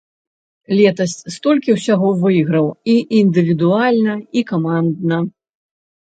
Летась столькі ўсяго выйграў і індывідуальна, і камандна.